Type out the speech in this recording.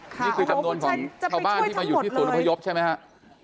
นี่คือจำนวนของชาวบ้านที่มาอยู่ที่ศูนย์อพยพใช่ไหมครับ